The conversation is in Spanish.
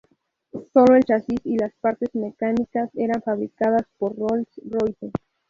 Solo el chasis y las partes mecánicas eran fabricados por Rolls-Royce.